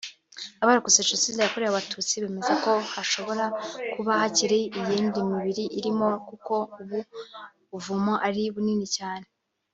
Abarokotse Jenoside yakorewe Abatutsi bemeza ko hashobora kuba hakiri iyindi mibiri irimo kuko ubu buvumo ari bunini cyane